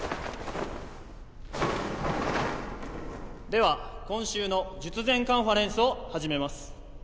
では今週の術前カンファレンスを始めます。